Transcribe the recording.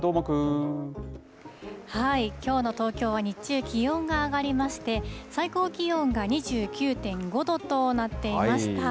きょうの東京は日中、気温が上がりまして、最高気温が２９．５度となっていました。